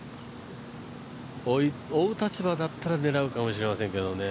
追う立場だったら狙うかもしれませんけどね